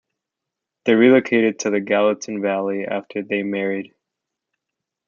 They relocated to the Gallatin Valley after they married.